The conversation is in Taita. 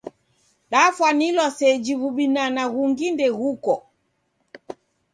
Dafwanilwa seji w'ubinana ghungi ndeghuko.